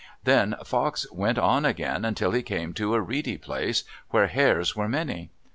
Then Fox went on again until he came to a reedy place, where hares were many.